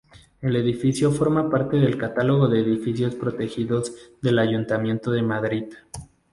El edificio forma parte del Catálogo de Edificios Protegidos del Ayuntamiento de Madrid.